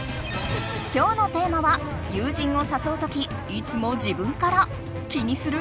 今日のテーマは友人を誘う時いつも自分から気にする？